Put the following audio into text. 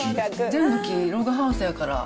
全部木、ログハウスやから。